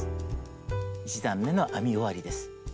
１段めの編み終わりです。